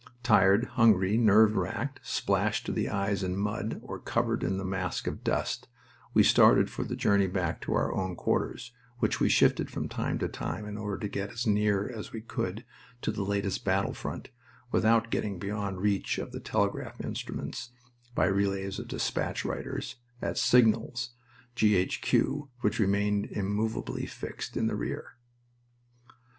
Tired, hungry, nerve racked, splashed to the eyes in mud, or covered in a mask of dust, we started for the journey back to our own quarters, which we shifted from time to time in order to get as near as we could to the latest battle front without getting beyond reach of the telegraph instruments by relays of despatch riders at "Signals," G. H. Q., which remained immovably fixed in the rear.